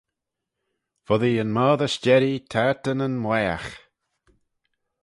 Foddee yn moddey s'jerree tayrtyn y mwaagh